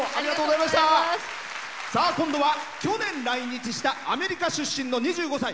今度は去年、来日したアメリカ出身の２５歳。